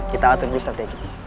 kita atur dulu strategi